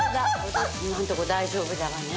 今んとこ大丈夫だわね。